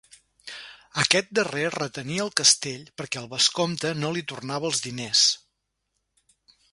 Aquest darrer retenia el castell perquè el vescomte no li tornava els diners.